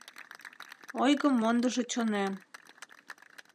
Ойгым мондыжо чонем.